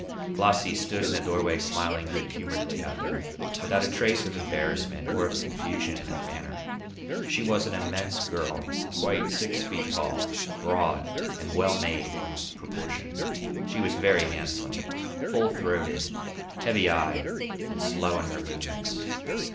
Flossie stood in the doorway smiling good humouredly at them, without a trace of embarrassment or of confusion in her manner. She was an immense girl, quite six feet tall, broad and well made, in proportion. She was very handsome, full throated, heavy eyed, and slow in her movements.